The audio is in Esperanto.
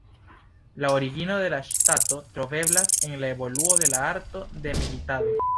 La origino de la ŝtato troveblas en la evoluo de la arto de militado.